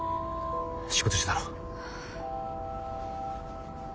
仕事中だろ。